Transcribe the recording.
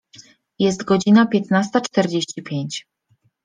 Jest godzina piętnasta czterdzieści pięć.